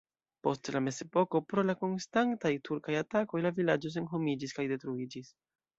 Post la mezepoko pro la konstantaj turkaj atakoj la vilaĝo senhomiĝis kaj detruiĝis.